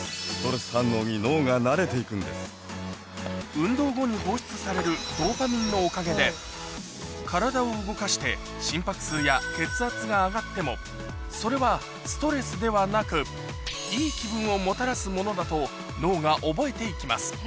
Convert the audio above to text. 運動後に放出されるドーパミンのおかげで体を動かして心拍数や血圧が上がってもそれはストレスではなくいい気分をもたらすものだと脳が覚えて行きます